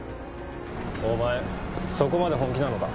お前そこまで本気なのか？